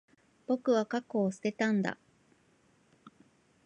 僕は、過去を捨てたんだ。